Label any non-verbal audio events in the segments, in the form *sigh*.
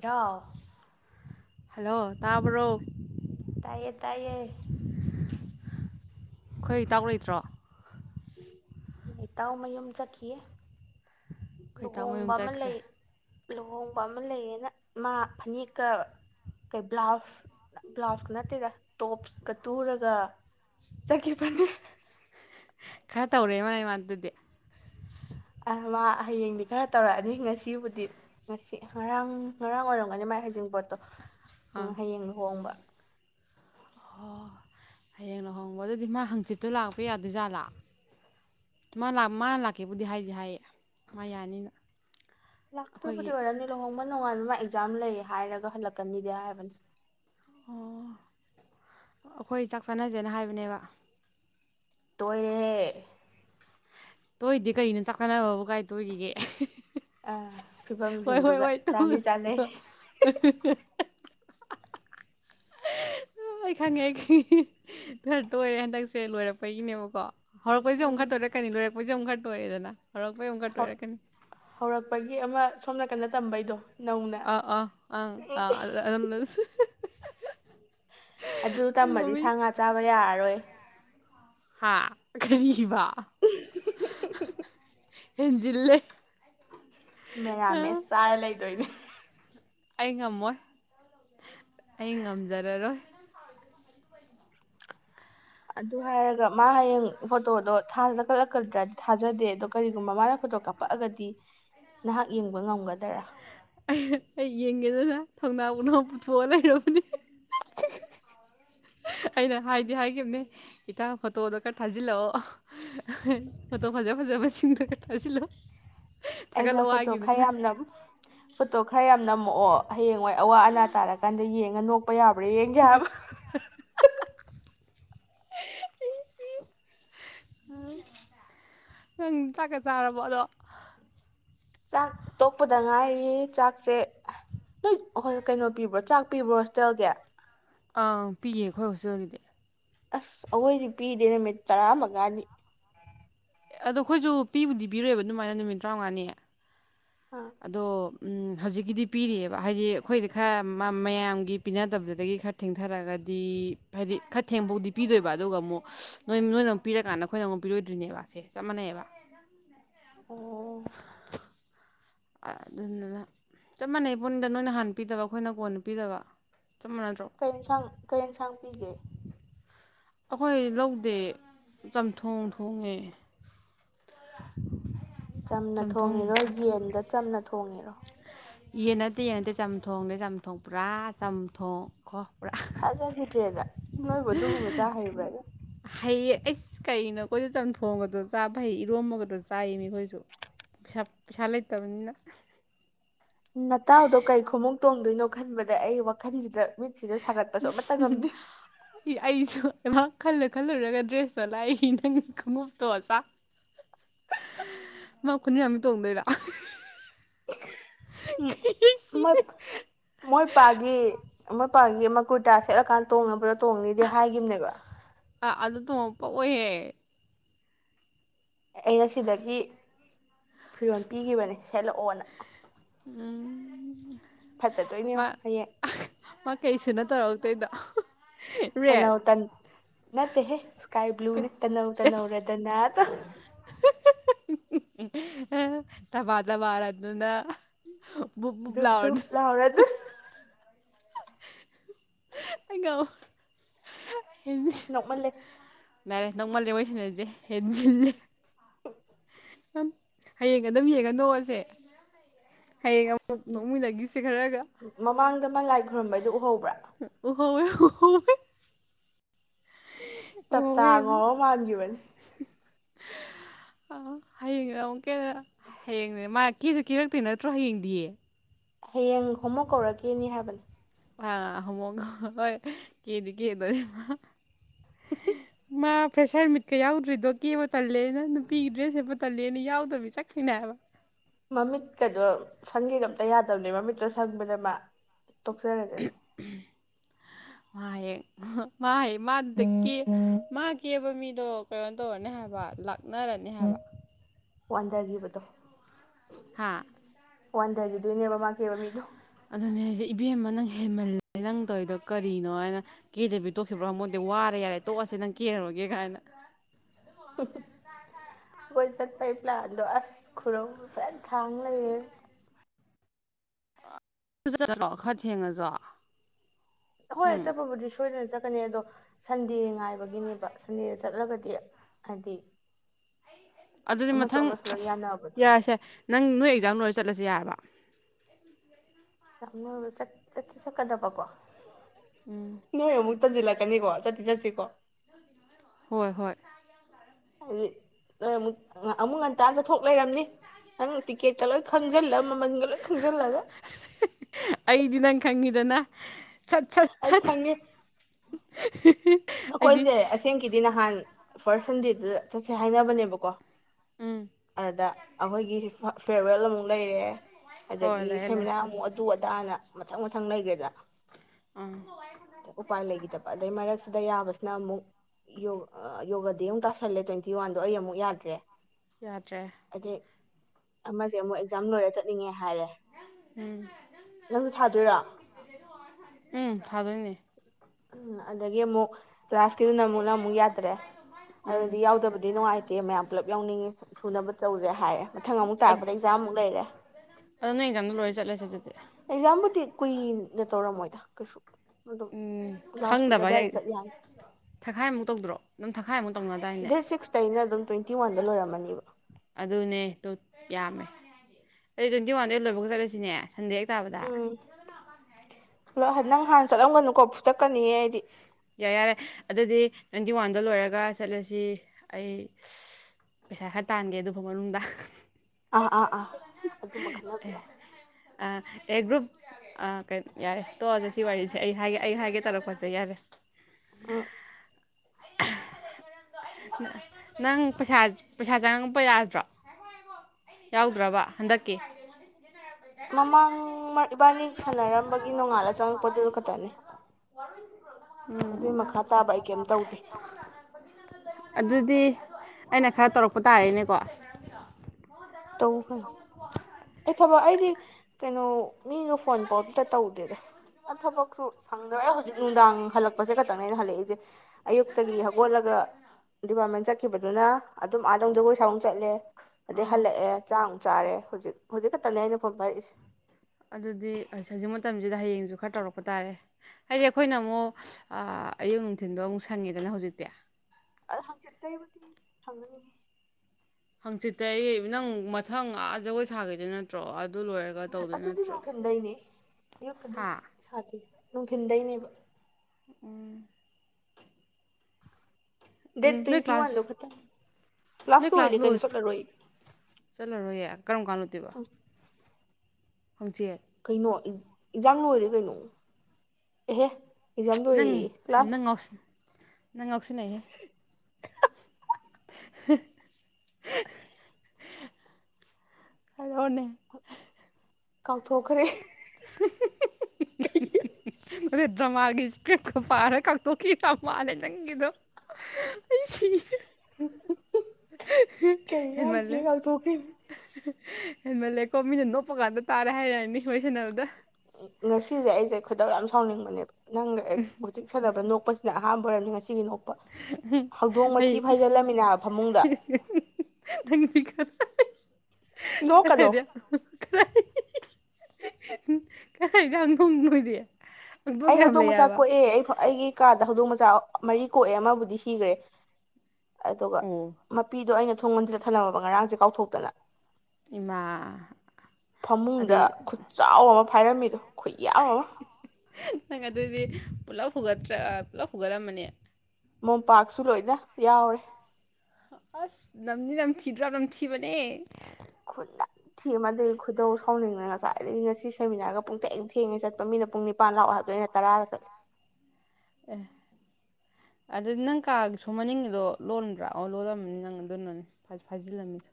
ꯏꯗꯥꯎ hello ꯇꯥꯕꯔ‌ꯣ ꯇꯥꯏꯌꯦ ꯇꯥꯏꯌꯦ ꯈ‌ꯣꯏ ꯏꯇꯥꯎ ꯂꯩꯇ꯭ꯔꯣ ꯏꯇꯥꯎ ꯃꯌꯨꯝ ꯆꯠꯈꯤꯌꯦ ꯑꯩꯈꯣꯏ ꯏꯇꯥꯎ ꯃꯌꯨꯝ ꯂꯨꯍꯣꯡꯕ ꯑꯃ ꯆꯠꯈ꯭ꯔꯦ ꯂꯩ ꯂꯨꯍꯣꯡꯕ ꯑꯃ ꯂꯩꯌꯦꯅ ꯃꯥ ꯐꯅꯦꯛꯀ ꯀꯩ ꯕ꯭ꯂꯥꯎꯁ ꯕ꯭ꯂꯥꯎꯁꯀ ꯅꯠꯇꯦꯗ ꯇꯣꯞꯁꯀ ꯇꯨꯔꯒ ꯆꯠꯈꯤꯕꯅ‌ꯦ ꯈꯔ ꯇꯧꯔꯦ ꯃꯥꯏ ꯏꯃ ꯑꯗꯨꯗꯤ ꯑ ꯃꯥ ꯍꯌꯦꯡꯗꯤ ꯈꯔ ꯇꯧꯔꯛꯑꯅꯤ ꯉꯁꯤꯕꯨꯗꯤ ꯉꯁꯤ ꯉꯔꯥꯡ ꯉꯔꯥꯡ ꯑꯣꯏꯔꯝꯒꯅꯤ ꯃꯥꯏ ꯍꯩꯖꯤꯡ ꯄꯣꯠꯇꯣ ꯎꯝ ꯑꯪ ꯍꯌꯦꯡ ꯂꯨꯍꯣꯡꯕ ꯎꯝ ꯍꯌꯦꯡ ꯂꯨꯍꯣꯡꯕ ꯑꯗꯨꯗꯤ ꯃꯥ ꯍꯪꯆꯤꯠꯇꯣ ꯂꯥꯛꯄ ꯌꯥꯗꯣꯏꯖꯥꯠꯂꯥ ꯃꯥꯅ ꯂꯥꯛꯀꯦꯕꯨꯗꯤ ꯍꯥꯏꯗꯤ ꯍꯥꯏꯌꯦ ꯃꯥ ꯌꯥꯅꯤꯅ ꯑꯩꯈꯣꯏꯒꯤ ꯂꯥꯛꯨꯕꯗꯤ ꯋꯥꯔꯅꯤ ꯂꯧꯍꯣꯡ ꯅꯅꯨꯡꯉꯥꯏꯥꯟꯕꯕ ꯃꯥ ꯑꯦꯛꯖꯥꯝ ꯂꯩ ꯍꯥꯏꯔꯒ ꯍꯜꯂꯛꯀꯅꯤꯗ ꯍꯥꯏꯕꯅꯤ ꯑꯣ ꯑꯩꯈꯣꯏ ꯆꯥꯛ ꯆꯥꯅꯁꯦꯅ ꯍꯥꯏꯕꯅꯦꯕ ꯇꯣꯏꯔꯦ ꯇꯣꯏꯗꯤꯦ ꯀꯔꯤꯅꯣ ꯆꯥꯛꯀꯠꯅꯕꯕꯨ ꯀꯥꯏ ꯇꯣꯏꯔꯤꯒꯦ ꯑꯥ ꯍꯣꯏ ꯍꯣꯏ ꯐꯤꯕꯝꯁꯤꯡꯗꯨꯒ ꯍꯣꯏ ꯆꯥꯗꯤ ꯆꯥꯟꯅꯩ ꯑ ꯍ ꯑꯩ ꯈꯪꯉꯦ ꯑꯩ ꯈꯪꯉꯦ ꯐꯔ ꯇꯣꯏꯔꯦ ꯍꯟꯗꯛꯁꯦ ꯂꯣꯏꯔꯛꯄꯒꯤꯅꯦꯕꯀꯣ ꯍꯔꯛ ꯀꯣꯏꯦ ꯎꯝ ꯎꯈꯥ ꯇꯧꯔ ꯀꯅꯤ ꯂꯣꯏ ꯃꯖꯝ ꯈꯠ ꯑꯣꯏꯗꯅ ꯍꯧꯔꯛꯄꯒꯤ ꯑꯃ ꯁꯣꯝꯅ ꯀꯟꯅ ꯇꯝꯕꯩꯗꯣ ꯅꯧꯅ ꯑ ꯑꯥ ꯑꯥ ꯑꯥ ꯑꯗꯨ ꯑꯩ ꯇꯝꯃꯗꯤ ꯃꯃꯤꯡ ꯁꯥ ꯉꯥ ꯆꯥꯕ ꯌꯥꯔꯔꯣꯏ ꯍꯥ ꯀꯔꯤꯕ ꯑ ꯖꯤꯜꯂꯦ ꯃꯦꯔꯥꯝꯃꯦ ꯆꯥꯏ ꯂꯩꯗꯣꯏꯅꯦ ꯑꯩ ꯉꯝꯃꯣꯏ ꯑꯩ ꯉꯝꯖꯔꯔꯣꯏ ꯑꯗꯨ ꯍꯥꯏꯔꯒ ꯃꯥ ꯍꯌꯦꯡ ꯐꯣꯇꯣꯗꯣꯛ ꯀꯠꯂꯛꯀꯗ꯭ꯔꯥꯗꯤ ꯊꯥꯖꯗꯦ ꯑꯗꯣ ꯀꯔꯤꯒꯨꯝꯕ ꯃꯥꯅ ꯐꯣꯇꯣ ꯀꯥꯞꯄꯛꯑꯒꯗꯤ ꯅꯍꯥꯛ ꯌꯦꯡꯕ ꯉꯝꯒꯗꯔꯥ ꯑꯩ ꯑꯩ ꯌꯦꯡꯒꯦꯗꯅ ꯊꯣꯡꯅꯥꯎ ꯎꯅ ꯄꯨꯊꯣꯛꯑ ꯂꯩꯔꯨꯕꯅꯦ *unintelligible* ꯑꯩꯅ ꯍꯥꯏꯗꯤ ꯍꯥꯏꯈꯤꯕꯅꯦ ꯏꯇ ꯐꯣꯇꯣꯗꯣ ꯈꯔ ꯊꯥꯖꯤꯜꯂꯛꯑꯣ ꯐꯣꯇꯣ ꯐꯖ ꯐꯖꯕꯁꯤꯡꯗꯣꯒ ꯊꯥꯖꯤꯜꯂꯑꯣ ꯑꯩꯅ ꯐꯣꯇꯣ ꯈꯔ ꯌꯥꯝꯅ ꯐꯣꯇꯣ ꯈꯔ ꯌꯥꯝ ꯅꯝꯃꯛꯑꯣ ꯍꯌꯦꯡꯋꯥꯣꯏ ꯑꯋꯥ ꯑꯅꯥ ꯇꯥꯔꯀꯥꯟꯗ ꯌꯦꯡꯉ ꯅꯣꯛꯄ ꯌꯥꯕ꯭ꯔ ꯑ ꯌꯦꯦꯕ ꯅꯪ ꯆꯥꯛꯀ ꯆꯥꯔꯕꯣꯗꯣ ꯆꯥꯛ ꯇꯣꯛꯄꯗ ꯉꯥꯏꯔꯤ ꯆꯥꯛꯁꯦ ꯂꯣꯏꯣꯏ ꯀꯩꯅꯣ ꯄꯤꯕ꯭ꯔꯣ ꯆꯥꯛ ꯄꯤꯕ꯭ꯔꯣ ꯍꯣꯁꯇꯦꯜꯒꯤ ꯑꯪ ꯄꯤꯌꯦ ꯑꯩꯈꯣꯏ ꯍꯣꯁꯇꯦꯜꯒꯤꯗꯤ ꯑꯁ ꯑꯩꯈꯣꯏꯗꯤ ꯄꯤꯗꯦ ꯅꯨꯃꯤꯠ ꯇꯔꯥ ꯃꯉꯥꯅꯤ ꯑꯗꯣ ꯑꯩꯈꯣꯏꯁꯨ ꯄꯤꯕꯨꯗꯤ ꯄꯤꯔꯣꯏꯑꯕ ꯑꯗꯨꯃꯥꯏꯅ ꯅꯨꯃꯤꯠ ꯇꯔꯥꯃꯉꯥꯅꯤ ꯑꯥ ꯑꯗꯣ ꯍꯧꯖꯤꯛꯀꯤꯗꯤ ꯄꯤꯔꯤꯑꯕ ꯍꯥꯏꯗꯤ ꯑꯩꯈꯣꯏꯗꯤ ꯈꯔ ꯃꯌꯥꯝꯒꯤ ꯄꯤꯅꯗꯕꯗꯒꯤ ꯈꯔ ꯊꯦꯡꯊꯔꯒꯗꯤ ꯍꯥꯏꯗꯤ ꯈꯔ ꯊꯦꯡꯕꯧꯗꯤ ꯄꯤꯗꯣꯏꯕ ꯑꯗꯨꯒ ꯑꯃꯨꯛ ꯅꯣꯏ ꯅꯣꯏꯅ ꯑꯃꯨꯛ ꯄꯤꯔꯀꯥꯟꯗ ꯑꯩꯈꯣꯏꯅ ꯑꯃꯨꯛ ꯄꯤꯔꯣꯏꯗꯣꯏꯅꯦꯕꯁꯦ ꯆꯞ ꯃꯥꯟꯅꯩꯑꯕ ꯑꯣ ꯑꯗꯨꯗꯨꯅ ꯆꯞ ꯃꯥꯟꯅꯩ ꯄꯨꯅꯤꯗ ꯅꯣꯏꯅ ꯍꯥꯟꯅ ꯄꯤꯗꯕ ꯑꯩꯈꯣꯏꯅ ꯀꯣꯟ ꯄꯤꯗꯕ ꯆꯞ ꯃꯥꯟꯅꯗ꯭ꯔꯣ ꯀꯩ ꯏꯟꯁꯥꯡ ꯀꯩ ꯏꯟꯁꯥꯡ ꯄꯤꯒꯦ ꯑꯩꯈꯣꯏ ꯂꯧꯗꯦ ꯆꯝꯊꯣꯡ ꯊꯣꯡꯉꯦ ꯆꯝꯅ ꯆꯝꯊꯣꯡ ꯊꯣꯡꯉꯤꯔꯣꯏ ꯌꯦꯟꯗ ꯆꯝꯅ ꯊꯣꯡ ꯇꯣꯡꯉꯦꯔꯣ ꯌꯦꯅꯗꯤꯦ ꯌꯦꯅꯗꯦ ꯆꯝꯊꯣꯡꯅꯦꯦ ꯆꯝꯊꯣꯡ ꯄꯨꯔꯥ ꯆꯝꯊꯣꯛꯈꯣ ꯆꯥꯖꯒꯗ꯭ꯔꯤꯑꯒ ꯅꯣꯏꯕꯨ ꯑꯗꯨꯒꯨꯝꯕ ꯆꯥ ꯍꯩꯕ ꯍꯩꯌꯦ ꯑꯩꯁ ꯀꯩꯅꯣ ꯑꯩꯈꯣꯏꯗ ꯆꯝꯊꯣꯡꯒꯗꯣ ꯆꯥꯕ ꯐꯩ ꯏꯔꯣꯝꯃꯒꯗꯣ ꯆꯥꯏ ꯃꯤꯈꯣꯏꯁꯨ ꯄꯩꯁꯥ ꯂꯩꯇꯕꯅꯤꯅ ꯅꯇꯎꯗꯣ ꯀꯩ ꯈꯃꯨ ꯇꯣꯡꯗꯣꯏꯅꯣ ꯈꯟꯕꯗ ꯑꯩ ꯋꯥꯈꯜꯁꯤꯗꯠ ꯑꯩꯁꯨ ꯑꯦꯃ ꯈꯜꯂꯨ ꯈꯜꯂꯨꯔꯒ ꯗ꯭ꯔꯦꯁꯇꯣ ꯂꯥꯛꯏ ꯅꯪ ꯈꯣꯡꯎꯞꯇꯣꯑꯁ ꯏ ꯈꯨꯟꯗꯤꯥ ꯑꯃ ꯇꯣꯡꯗꯣꯏꯔ ꯎꯝ ꯃꯣꯏ ꯃꯄꯥꯒꯤ ꯃꯣꯏꯄꯥꯒꯤ ꯃ ꯀꯨꯔꯇꯥ ꯁꯦꯠꯂꯀꯥꯟꯗ ꯇꯣꯡꯉꯅꯕꯗ ꯇꯣꯡꯅꯤꯗꯤ ꯍꯥꯏꯈꯤꯕꯅꯦꯕ ꯑꯥ ꯑꯗꯨ ꯇꯣꯡꯉꯛꯄ ꯑꯣꯏꯍꯦ ꯑꯩꯅ ꯁꯤꯗꯒꯤ ꯐꯤꯔꯣꯜ ꯄꯤꯈꯤꯕꯅꯦ ꯁꯦꯠꯂꯛꯑꯣꯅ ꯎꯝ ꯃꯥ ꯐꯖꯗꯣꯏꯅꯦꯣ ꯍꯌꯦꯡ ꯃꯥ ꯀꯩꯁꯨꯅ ꯇꯔ ꯍꯇꯗ ꯇꯅ ꯇꯟ ꯅꯠꯇꯦꯦ ꯏꯁꯀꯥꯏ ꯕ꯭ꯂꯨꯅꯤꯠꯇ ꯅꯧ ꯇ ꯑꯦꯁ ꯅꯧꯔꯗꯅ ꯇꯃꯇꯂ ꯃꯥꯔ ꯑꯗꯨꯗ ꯨꯞꯞ ꯨꯞꯄ ꯂꯥꯎꯔꯦ ꯑꯗꯨ ꯒꯥꯎ ꯑꯦ ꯅꯃꯜ ꯂꯩꯦ ꯃꯅꯦꯦ ꯅꯣꯡꯧꯃꯜꯂꯤ ꯑꯣꯏꯣꯏꯁꯤꯟꯅꯁꯦ ꯍꯦꯠꯖꯜꯂꯦ ꯍꯌꯦꯡ ꯑꯗꯨꯝ ꯌꯦꯡꯉꯗꯣꯁꯦ ꯍꯌꯦꯡ ꯑꯃꯨꯛ ꯑꯁ ꯅꯣꯛꯃꯤꯟꯅꯈꯤꯁꯦ ꯈꯔꯒ ꯃꯃꯥꯡꯗ ꯃꯥ ꯂꯥꯏ ꯈꯨꯔꯝꯕꯩꯗꯣ ꯎꯍꯧꯕ꯭ꯔꯥ ꯎꯍꯧꯦ ꯍꯧꯣꯕ *unintelligible* ꯇꯞ ꯇ ꯑꯉ ꯃꯥꯥꯡꯒꯌꯕꯅꯤ ꯑ ꯍꯌꯦ ꯑꯣꯦ *unintelligible* ꯍꯦꯅꯦ ꯃꯥ ꯀꯦꯁꯨꯦ ꯀꯦꯔꯛꯇꯦ ꯅꯠꯇ꯭ꯔꯣ ꯍꯌꯦꯡꯗꯤꯌꯦ ꯍꯌꯦꯡ ꯍꯣꯃꯨ ꯀꯧꯔꯛꯀꯦꯅꯤ ꯍꯥꯏꯕꯅꯤ ꯍꯧꯃꯛ ꯍꯣꯏ ꯀꯦꯗꯤ ꯀꯦꯗꯣꯔꯦ ꯃꯥ ꯃꯥ ꯐ꯭ꯔꯦꯁꯥꯔ ꯃꯤꯠꯀ ꯌꯥꯎꯗ꯭ꯔꯤꯗꯣ ꯀꯦꯕ ꯄꯜꯂꯦꯅ ꯄꯤꯔ ꯔꯦꯁꯦ ꯇ ꯂꯦꯅꯤ ꯌꯥꯎꯗꯕꯤ ꯆꯈꯤꯅꯕ ꯃꯃꯤꯠꯀꯩꯗꯣ ꯁꯪꯒꯗ ꯑꯝꯇ ꯌꯥꯗꯕꯅꯦ ꯃꯃꯤꯠꯇꯣ ꯁꯪꯕꯗꯃ ꯇꯁ ꯅꯗ ꯃꯥ ꯍꯌꯦꯡ ꯃꯥ ꯍ ꯃꯥꯗꯨ ꯃꯥ ꯀꯦꯕ ꯃꯤꯗꯣ ꯀꯩꯅꯣ ꯇꯧꯔꯅꯤ ꯍꯥꯏꯕ ꯂꯥꯛꯅꯔꯅꯤ ꯍꯥꯏꯕ ꯋꯥꯟꯊꯈꯤꯕꯗꯣ ꯍꯥ ꯋꯥꯟꯗꯔꯒꯤꯗꯨꯣꯏꯅꯦꯕ ꯃꯥꯀꯦꯕ ꯃꯤꯗꯣ ꯑꯗꯨꯅꯦ ꯑꯩꯁꯦ ꯏꯕꯦꯝꯃ ꯅꯪ ꯍꯦꯟꯃꯜꯂꯦ ꯅꯪ ꯇꯧꯔꯤꯗꯣ ꯀꯔꯤꯅꯣ ꯍꯥꯏꯅ ꯀꯦꯗꯕꯤ ꯇꯣꯛꯈꯤꯕ꯭ꯔꯥ ꯃꯣꯠꯇꯦ ꯋꯥꯔꯦ ꯌꯥꯔꯦ ꯇꯣꯛꯑꯁꯦ ꯅꯪ ꯀꯦꯔꯔꯒꯦ ꯀꯥꯏꯅ ꯑꯩꯈꯣꯏ ꯆꯠꯄꯩ ꯄ꯭ꯂꯥꯟꯗꯣ ꯑꯁ ꯈꯨꯔꯧ ꯐꯖꯅ ꯊꯥꯡ ꯂꯩꯔꯦ ꯠꯂꯣ ꯈꯔ ꯊꯦꯡꯉꯁ ꯍꯣꯏ ꯆꯠꯄꯕꯨꯗꯤ ꯁꯣꯏꯗꯅ ꯆꯠꯀꯅꯤ ꯑꯗꯣ ꯁꯟꯗꯦ ꯉꯥꯏꯕꯒꯤꯅꯦꯕ ꯁꯟꯗꯦꯗ ꯆꯠꯂꯒꯗꯤ ꯍꯥꯏꯗꯤ ꯑꯗꯨꯗꯤ ꯑꯃꯁꯨ ꯃꯊꯪ ꯑꯃꯁꯨ ꯂꯣꯏ ꯌꯥꯅꯕꯗꯣ ꯌꯥꯔꯁꯦ ꯅꯪ ꯅꯣꯏ ꯆꯪ ꯂꯣꯏ ꯆꯠꯂꯁꯤ ꯌꯥꯔꯕ ꯌꯥꯝ ꯆꯠ ꯆꯠꯀꯗꯕꯀꯣ ꯎꯝ ꯆꯊꯁꯤꯜꯂꯛꯀꯅꯤꯀꯣ ꯆꯠꯁꯤ ꯆꯠꯁꯤꯀꯣ ꯍꯣꯏ ꯍꯣꯏ ꯍꯥꯏꯗꯤ ꯅ ꯑꯃꯨꯛ ꯉꯟꯇꯥ ꯆꯠꯊꯣꯛ ꯂꯩꯔꯝꯅꯤ ꯅꯪ ꯇꯤꯛꯀꯦꯠꯇ ꯈꯪꯖꯜꯂ ꯃꯃꯟꯒ ꯂꯣ ꯈꯪꯖꯜꯂꯒ ꯑꯩꯗꯤ ꯅꯪ ꯈꯪꯉꯤꯗꯅ ꯁꯠ ꯁꯠ ꯑꯩ ꯁꯠ ꯈꯪꯉꯦ ꯑꯩꯗꯤ ꯑꯩꯈꯣꯏꯁꯦ ꯑꯁꯦꯡꯒꯤꯗꯤ ꯅ ꯅꯍꯥꯟ ꯐꯥꯔꯁ ꯁꯟꯗꯦꯗꯨꯗ ꯆꯠꯁꯦ ꯍꯥꯏꯅꯕꯅꯦꯕꯀꯣ ꯎꯝ ꯑꯥ ꯑꯩꯈꯣꯏꯒꯤ ꯐꯤꯔꯋꯦꯜ ꯑꯃꯨꯛ ꯂꯩꯔꯦ ꯍꯣꯏ ꯑꯗꯒꯤ ꯂꯩꯔꯦ ꯂꯩꯔꯦ ꯁꯦꯃꯤꯅꯥ ꯑꯃꯨꯛ ꯑꯗꯨ ꯑꯗꯥꯅ ꯃꯊꯪ ꯃꯊꯪ ꯂꯩꯒꯦꯗ ꯎꯝ ꯎꯄꯥꯏ ꯂꯩꯈꯤꯗꯕ ꯑꯗꯩ ꯃꯔꯛ ꯅ ꯑꯃꯨꯛ ꯌꯣꯒꯗꯤ ꯑꯃꯨꯛ ꯇꯥꯁꯜꯂꯦ ꯇ꯭ꯋꯦꯟꯇꯤ ꯋꯥꯟꯗꯣ ꯑꯩ ꯑꯃꯨꯛ ꯌꯥꯗ꯭ꯔꯦ ꯌꯥꯗ꯭ꯔꯦ ꯑꯗꯩ ꯑꯃꯁꯦ ꯑꯃꯨꯛ ꯑꯦꯛꯖꯥꯝ ꯂꯣꯏꯔ ꯆꯠꯅꯤꯡꯉꯦ ꯍꯥꯏꯔꯦ ꯎꯝ ꯅꯪꯁꯨ ꯊꯥꯗꯣꯏꯔ ꯎꯝ ꯊꯥꯗꯣꯏꯅꯦ ꯎꯝ ꯑꯗꯒꯤ ꯑꯃꯨꯛ ꯀ꯭ꯂꯥꯁꯀꯤꯗꯨꯅ ꯑꯃꯨꯛꯅ ꯑꯃꯨꯛ ꯌꯥꯗ꯭ꯔꯦ ꯎꯝ ꯑꯗꯨꯗꯤ ꯌꯥꯎꯗꯕꯗꯤ ꯅꯨꯡꯉꯥꯏꯇꯦ ꯃꯌꯥꯝ ꯄꯨꯜꯂꯞ ꯌꯥꯎꯅꯤꯡꯉꯦ ꯁꯨꯅꯕ ꯇꯧꯁꯦ ꯍꯥꯏꯔꯦ ꯃꯊꯪ ꯑꯃꯨꯛ ꯇꯥꯔꯛꯄꯗ ꯑꯦꯛꯖꯥꯝꯃꯨꯛ ꯂꯩꯔꯦ ꯑꯗꯣ ꯅꯣꯏ ꯑꯦꯛꯖꯥꯝꯗꯣ ꯂꯣꯏꯔ ꯆꯠꯂꯁꯦ ꯑꯗꯨꯗꯤ ꯑꯦꯛꯖꯥꯝꯕꯨꯗꯤ ꯀꯨꯏꯅ ꯇꯧꯔꯝꯃꯣꯏꯗ ꯀꯩꯁꯨ ꯑꯗꯨꯝ ꯎꯝ ꯂꯥꯁ ꯋꯤꯛ ꯈꯪꯗꯕ ꯑꯗꯨꯋꯥꯏꯗ ꯆꯠ ꯌꯥꯅꯤ ꯊꯛꯈꯥꯏꯃꯨꯛ ꯇꯧꯗ꯭ꯔꯣ ꯑꯗꯨꯝ ꯊꯛꯈꯥꯏꯃꯨꯛ ꯇꯧꯅꯗꯥꯥꯏꯅꯦ ꯗꯦꯠ ꯁꯤꯛꯁꯇꯩꯅ ꯑꯗꯨꯝ ꯇ꯭ꯋꯦꯟꯇꯤ ꯋꯥꯟꯗ ꯂꯣꯏꯔꯝꯃꯅꯤꯕ ꯑꯗꯨꯅꯦ ꯌꯥꯝꯃꯦ ꯑꯩ ꯇ꯭ꯋꯦꯟꯇꯤ ꯋꯥꯟꯗ ꯂꯣꯏꯕꯒ ꯆꯠꯂꯁꯤꯅꯦ ꯍꯟꯗꯦ ꯍꯦꯛ ꯇꯥꯕꯗ ꯄꯨꯂ ꯅꯪ ꯍꯥꯟꯅ ꯆꯠꯂꯝꯒꯅꯨꯀꯣ ꯐꯨꯇꯛꯀꯅꯤ ꯍꯥꯏꯗꯤ ꯌꯥ ꯌꯥꯔꯦ ꯑꯗꯨꯗꯤ ꯇ꯭ꯋꯦꯟꯇꯤ ꯋꯥꯟꯗ ꯂꯣꯏꯔꯒ ꯆꯠꯂꯁꯤ ꯑꯩ ꯄꯩꯁꯥ ꯈꯔ ꯇꯥꯟꯒꯦ ꯑꯗꯨꯐ ꯃꯅꯨꯡꯗ ꯑꯥ ꯑꯥ ꯑꯥ ꯑꯗꯨꯃ ꯈꯟꯅꯕꯤ ꯌꯥꯏ ꯑꯦ ꯒ꯭ꯔꯨꯞ ꯀꯩꯅꯣ ꯌꯥꯔꯦ ꯇꯣꯛꯑꯁꯦ ꯁꯤ ꯋꯥꯔꯤꯁꯦ ꯑꯩ ꯍꯥꯏꯒꯦ ꯑꯩ ꯍꯥꯏꯒꯦ ꯇꯧꯔꯛꯄꯠꯁꯦ ꯌꯥꯔꯦ ꯎꯝ ꯅꯪ ꯄꯩꯁꯥ ꯄꯩꯁꯥ ꯆꯪꯉꯛꯄ ꯌꯥꯗ꯭ꯔꯣ ꯌꯥꯎꯗ꯭ꯔꯕ ꯍꯟꯗꯛꯀꯤ ꯃꯃꯥꯡ ꯏꯕꯥꯅꯤ ꯁꯥꯟꯅꯔꯝꯕꯒꯤ ꯅꯣꯡꯉꯥꯜꯂꯒ ꯆꯪꯉꯛꯄꯗꯨꯗ ꯈꯛꯇꯅꯦ ꯋꯥ ꯑꯗꯨꯏ ꯎꯝ ꯃꯈꯥ ꯇꯥꯕ ꯑꯩ ꯀꯩꯝ ꯇꯧꯗꯦ ꯑꯗꯨꯗꯤ ꯑꯩꯅ ꯈꯔ ꯇꯧꯔꯛꯄ ꯇꯥꯔꯦꯅꯦꯀꯣ ꯇꯧꯈꯩ ꯑꯩ ꯊꯕꯛ ꯑꯩꯗꯤ ꯀꯩꯅꯣ ꯃꯤꯒ ꯐꯣꯟ ꯄꯣ ꯑꯝꯇ ꯇꯧꯗꯦꯗ ꯑ ꯊꯕꯛꯁꯨ ꯁꯪꯗ ꯍꯧꯖꯤꯛ ꯅꯨꯡꯗꯥꯡ ꯍꯜꯂꯛꯄꯁꯦ ꯈꯛꯇꯪꯅꯦ ꯑꯩꯅ ꯍꯜꯂꯛꯏꯁꯦ ꯑꯌꯨꯛꯇꯒꯤ ꯍꯧꯒꯠꯂꯒ ꯗꯤꯄꯥꯔꯠꯃꯦꯟ ꯆꯠꯈꯤꯕꯗꯨꯅ ꯑꯗꯨꯝ ꯑꯥꯗꯪ ꯖꯒꯣꯏ ꯁꯥꯎ ꯆꯠꯂꯦ ꯑꯗꯩ ꯑꯥ ꯍꯜꯂꯛꯑꯦ ꯆꯥꯡ ꯆꯥꯔꯦ ꯍꯧꯖꯤꯛꯖꯤꯛ ꯅꯅꯦ ꯐꯣꯟ ꯄꯔꯤꯁ ꯑꯗꯨꯗꯤ ꯍꯧꯖꯤꯛ ꯃꯇꯝꯁꯤꯗ ꯍꯌꯦꯡꯁꯨ ꯈꯔ ꯇꯧꯔꯛꯄ ꯇꯥꯔꯦ ꯍꯥꯏꯗꯤ ꯑꯩꯈꯣꯏꯅ ꯑꯃꯨꯛ ꯑꯌꯨꯛ ꯅꯨꯡꯊꯤꯜꯗꯣ ꯑꯃꯨꯛ ꯁꯪꯉꯦꯗꯅ ꯍꯧꯖꯤꯛꯇꯤ ꯑ ꯍꯪꯆꯤꯠꯇꯒꯤꯕꯨꯗꯤ ꯍꯪꯒꯅꯤ ꯍꯪꯆꯤꯠꯇ ꯑꯩ ꯅꯪ ꯃꯊꯪ ꯑꯥ ꯖꯒꯣꯏ ꯁꯥꯈꯤꯗꯣꯏ ꯅꯠꯇ꯭ꯔꯣ ꯂꯣꯏꯔꯒ ꯑꯗꯨ ꯇꯧꯗꯣꯏ ꯑꯗꯨꯗꯤ ꯅ ꯅꯠꯇ꯭ꯔꯣ ꯀꯗꯅꯦ ꯌꯨ ꯀꯗꯤ ꯍꯥꯥ ꯁꯥꯗꯤ ꯅꯨꯡꯊꯤꯤꯟꯗꯩꯅꯦꯕ ꯎꯝ ꯗꯦꯠ ꯎꯝ ꯅꯣꯏ ꯇ꯭ꯋꯦꯟꯇꯤ ꯀ꯭ꯂꯥꯁ ꯋꯥꯟꯗꯣ ꯈꯛꯇꯪ ꯅꯣꯏ ꯀ꯭ꯂꯥꯁꯇ ꯀ꯭ꯂꯥꯁ ꯑꯣꯏ ꯂꯣꯏ ꯀꯩꯅ ꯆꯣꯂꯔ ꯑꯣꯏ ꯆꯠꯂꯔꯣꯏꯌꯦ ꯀꯔꯝ ꯀꯥꯟꯅꯣꯗꯦꯕ ꯍꯧꯪꯆꯦ ꯀꯩꯅꯣ ꯑꯦꯛꯖꯥꯝ ꯂꯣꯏꯔꯦ ꯀꯩꯅꯣ ꯑꯦꯍꯦ ꯖꯝꯗꯨ ꯅꯪ ꯀ꯭ꯂꯥꯁ ꯅꯪ ꯉꯥꯎꯁꯤꯟ ꯅꯪ ꯉꯥꯎꯁꯤꯟꯅꯩꯌꯦꯦ ꯀꯔꯅꯦ ꯀꯥꯎꯊꯣꯛꯈ꯭ꯔꯦ *unintelligible* ꯑꯗ ꯗ꯭ꯔꯃꯥꯒꯤ ꯏꯁꯀ꯭ꯔꯤꯞꯀ ꯄꯥꯔꯒ ꯀꯥꯊꯣꯛꯈꯤꯔ ꯃꯥꯜꯂꯦ ꯅꯪꯒꯤꯗꯣ ꯑꯩꯁꯤ ꯎꯝ ꯍꯃꯂꯦ ꯀꯥꯎꯊꯣꯛꯈ꯭ꯔꯦ ꯍꯦꯟꯃꯜꯂꯦꯀꯣ ꯃꯤꯅ ꯅꯣꯞꯄꯀꯥꯟꯗ ꯇꯥꯔꯦ ꯍꯥꯏꯔꯛꯑꯅꯤ ꯅꯣꯏ ꯁꯥꯟꯅꯕꯗ ꯉꯁꯤꯁꯦ ꯑꯩꯁꯦ ꯈꯨꯗꯛ ꯌꯥꯝ ꯁꯥꯎꯅꯤꯡꯕꯅꯦꯕ ꯅꯪ ꯍꯧꯖꯤꯛ ꯁꯥꯟꯅꯕ꯭ꯔꯥ ꯅꯣꯛꯄꯁꯤꯅ ꯑꯍꯥꯟꯕꯔꯗꯤ ꯉꯁꯤꯒꯤ ꯅ ꯑꯩꯪ ꯍꯥꯏꯕ ꯐꯃꯨꯡꯗ ꯈ ꯅꯣꯛꯀꯅꯣ ꯈꯔ ꯀ ꯀꯥꯡꯒꯨꯝ ꯅꯣꯏꯗꯤꯦ ꯑꯩ ꯍꯧꯗꯣꯡ ꯃꯆꯥ ꯀꯣꯛꯑꯦ ꯑꯩ ꯑꯩꯒꯤ ꯀꯥꯔꯗ ꯍꯧꯗꯣꯡ ꯃꯆꯥ ꯃꯔꯤ ꯀꯣꯛꯑꯦ ꯑꯃꯕꯨꯗꯤ ꯁꯤꯈ꯭ꯔꯦ ꯑꯗꯨꯒ ꯑꯣ ꯃꯄꯤꯗꯨꯣ ꯑꯩꯅ ꯊꯨꯡꯒꯟꯁꯤꯗ ꯊꯝꯂꯝꯃꯕ ꯉꯔꯥꯡꯁꯦ ꯀꯥꯎꯊꯣꯛꯇꯅ ꯏꯃꯥ ꯐꯃꯨꯡꯗ ꯑꯗꯨꯗꯤ ꯈꯨꯠꯆꯥꯎ ꯑꯃ ꯍꯥꯏꯔꯝꯃꯤꯗꯣ ꯈꯨꯣꯏꯌꯥ ꯅꯪ ꯑꯗꯨꯏꯗꯤ ꯄꯨꯂꯞꯨꯒꯠꯇ꯭ꯔ ꯄꯨꯂꯞ ꯍꯨꯒꯠꯂꯝꯃꯅꯤ ꯃꯣꯝꯄꯥꯛꯁꯨ ꯂꯣꯏꯅ ꯌꯥꯎꯔꯦ ꯑꯁ ꯅꯝꯅꯤ ꯅꯝꯊꯤꯗ꯭ꯔꯣ ꯅꯝꯊꯤꯕꯅꯦ ꯈꯨꯅ ꯊꯦꯡꯕꯗꯒꯤ ꯈꯨꯗꯧ ꯁꯥꯎꯅꯤꯡꯗꯅ ꯉꯁꯥꯏ ꯑꯗꯒꯤ ꯉꯁꯤ ꯁꯦꯃꯤꯅꯥꯔꯒ ꯄꯨꯡ ꯇꯦꯛꯦꯡ ꯊꯦꯡꯉꯦ ꯆꯠꯄ ꯃꯤꯅ ꯄꯨꯡ ꯅꯤꯄꯥꯟ ꯂꯥꯛꯑꯣ ꯍꯥꯏꯕꯗꯣ ꯑꯩꯅ ꯇꯔꯥꯒ ꯆꯠꯂ ꯑꯦ ꯑꯗꯨꯗꯤ ꯅꯪ ꯀꯥꯒꯤ ꯁ ꯃꯅꯤꯡꯒꯤꯗꯣ ꯂꯣꯟꯂꯝꯗ꯭ꯔꯥꯑꯣ ꯂꯣꯜꯂꯝꯃꯅꯤ ꯅꯪ ꯑꯗꯨꯅꯅꯦ ꯐꯥꯖꯤꯜꯂꯝꯃꯤꯁꯦ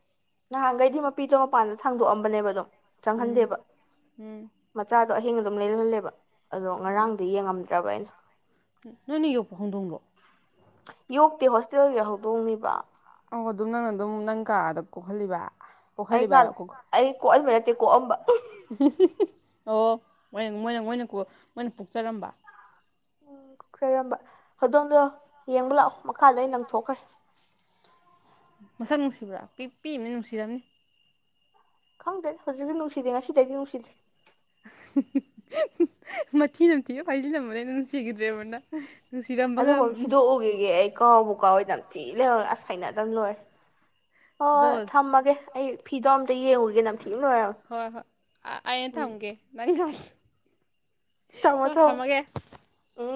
ꯅꯍꯥꯟꯈꯩꯗꯤ ꯃꯄꯤꯗꯣ ꯃꯄꯥꯟꯗ ꯊꯥꯡꯗꯣꯛꯑꯝꯕꯅꯦꯕ ꯑ ꯑꯗꯨꯝ ꯎꯝ ꯆꯪꯍꯟꯗꯦꯕ ꯎꯝ ꯃꯆꯥ ꯑꯗꯣ ꯑꯍꯤꯡ ꯑꯗꯨꯝ ꯂꯩꯔꯍꯜꯂꯦꯕ ꯑꯗꯣ ꯉꯔꯥꯡꯗꯤ ꯌꯦꯡꯉꯝꯗ꯭ꯔꯕ ꯑꯩꯅ ꯅꯣꯏꯅ ꯌꯣꯛꯄ ꯍꯧꯗꯣꯡꯂꯣ ꯌꯣꯛꯇꯤ ꯍꯣꯁꯇꯦꯜꯒꯤ ꯍꯧꯗꯣꯡꯅꯤꯕ ꯑ ꯑꯗꯨꯝ ꯅꯪꯅ ꯑꯗꯨꯝ ꯅꯪ ꯀꯥꯗ ꯀꯣꯛꯍꯜꯂꯤꯕ ꯑꯩ ꯀꯣꯛꯍꯜꯂꯤꯕ ꯀ ꯑꯩ ꯀ ꯃ ꯇꯦꯛ ꯀꯣ ꯑꯝꯕ ꯍ ꯍ ꯍ ꯑꯣꯏ ꯃꯣꯏꯅ ꯃꯣꯏꯅ ꯃꯣꯏꯅ ꯄꯣꯛꯆꯔꯝꯕ ꯎꯝ ꯀꯣꯛꯆꯔꯝꯕ ꯑꯗꯣꯝꯗꯣ ꯌꯦꯡꯕ ꯂꯥꯛꯑꯣ ꯃꯈꯥꯗ ꯑꯩ ꯅꯪꯊꯣꯛꯈ꯭ꯔꯦ ꯃꯁꯛ ꯅꯨꯡꯁꯤꯕ꯭ꯔꯥ ꯄꯤ ꯄꯤꯅ ꯅꯨꯡꯁꯤꯔꯝꯅꯤ ꯈꯪꯗꯦ ꯍꯧꯖꯤꯛꯁ ꯅꯨꯡꯁꯤꯗꯦ ꯉꯁꯤꯗꯩꯗꯤ ꯅꯨꯡꯁꯤꯗ꯭ꯔꯦ ꯃꯊꯤ ꯅꯝꯊꯤꯕ ꯐꯥꯏꯖꯤꯂꯝꯕꯗꯩ ꯅꯨꯡꯁꯤꯒꯤꯗ꯭ꯔꯦ ꯎ ꯑꯗꯨꯕꯨ ꯁꯤꯗꯣꯛꯎꯈꯤꯒꯦ ꯑꯩ ꯀꯥꯎꯕꯨ ꯀꯥꯎꯋꯤꯏꯗꯪ ꯊꯤ ꯂꯩꯍꯧꯋꯦ ꯍꯩꯅꯗꯕꯅ ꯂꯣꯏꯔꯦ ꯍꯣꯏ ꯁꯨꯗꯣꯁ ꯊꯝꯃꯒꯦ ꯑꯩ ꯐꯤꯗꯣ ꯑꯃꯝꯇ ꯌꯦꯡꯉꯨꯒꯦ ꯅꯝ ꯍꯣꯏ ꯍꯣꯏ ꯑꯩꯌꯦ ꯎꯝ ꯊꯝꯒꯦ ꯅꯪ ꯊꯝꯃꯣ ꯀꯣ ꯊꯝꯃꯣ ꯊꯝꯃꯒꯦ ꯎꯝ